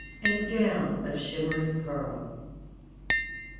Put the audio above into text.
And gown of shimmering pearl.